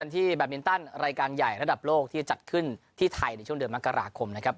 ที่แบตมินตันรายการใหญ่ระดับโลกที่จะจัดขึ้นที่ไทยในช่วงเดือนมกราคมนะครับ